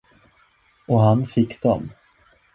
Och han fick dem.